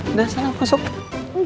udah sana kesok